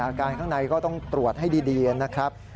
ข้างในก็ต้องตรวจให้ดีนะครับ